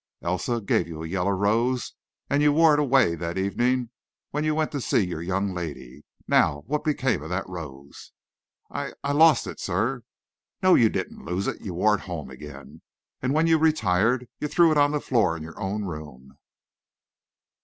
Elsa gave you a yellow rose and you wore it away that evening when you went to see your young lady. Now what became of that rose?" "I I lost it, sir." "No, you didn't lose it. You wore it home again, and when you retired, you threw it on the floor, in your own room."